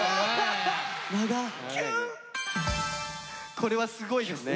これはすごいですね。